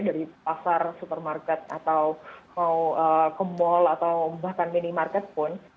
dari pasar supermarket atau mau ke mall atau bahkan minimarket pun